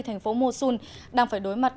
thành phố mosul đang phải đối mặt